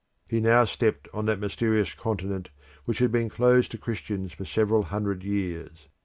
He now stepped on that mysterious continent which had been closed to Christians for several hundred years.